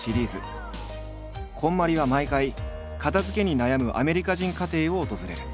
こんまりは毎回片づけに悩むアメリカ人家庭を訪れる。